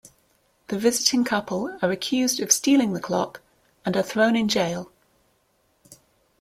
The visiting couple are accused of stealing the clock and are thrown in jail.